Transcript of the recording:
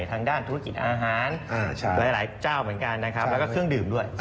ทางด้านธุรกิจอาหารหลายเจ้าเหมือนกันนะครับแล้วก็เครื่องดื่มด้วย